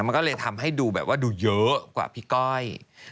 มันก็เลยทำให้ดูแบบว่าดูเยอะกว่าพี่ก้อย